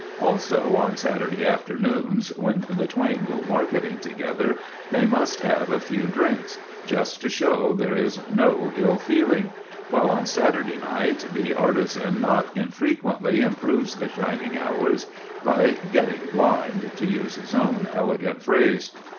Also on Saturday afternoons, when the twain go marketing together, they must have a few drinks, just to show there is no ill feeling; while on Saturday night the artisan not infrequently improves the shining hours by "getting blind," to use his own elegant phrase.